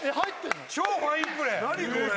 超ファインプレー何これ？